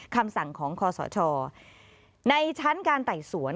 คำสั่งของคอสชในชั้นการไต่สวน